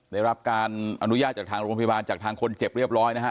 ได้รับการอนุญาตจากทางโรงพยาบาลจากทางคนเจ็บเรียบร้อยนะฮะ